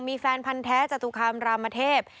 มีแฟนพันธ์แท้จตุคามรามเทพ